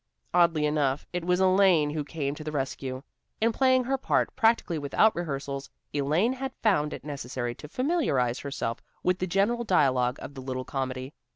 Oddly enough, it was Elaine who came to the rescue. In playing her part, practically without rehearsals, Elaine had found it necessary to familiarize herself with the general dialogue of the little comedy.